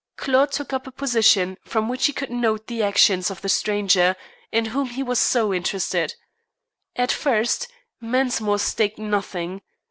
Claude took up a position from which he could note the actions of the stranger in whom he was so interested. At first, Mensmore staked nothing.